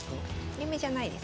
連盟じゃないです。